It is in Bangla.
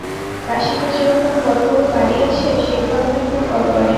কাশীতে যে রকম বড় বড় বাড়ি আছে, সেই ধরনের খুব বড় বাড়ি।